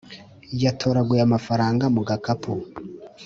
Yatoraguye amafaranga mugakapu